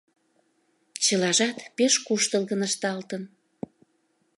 Чылажат пеш куштылгын ышталтын.